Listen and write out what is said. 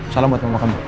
salam buat mama kamu